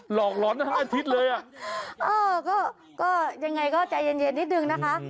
หลอกหลอนทั้งอาทิตย์เลยอ่ะเออก็ก็ยังไงก็ใจเย็นเย็นนิดนึงนะคะ